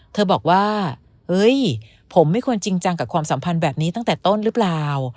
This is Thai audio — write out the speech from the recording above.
เธอบอกว่าเฮ้ยผมไม่ควรจริงจังกับความสัมพันธ์แบบนี้ตั้งแต่ต้นหรือเปล่า